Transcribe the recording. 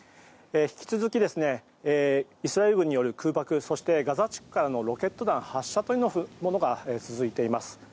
引き続き、イスラエル軍による空爆、そしてガザ地区からのロケット弾発射というのが続いています。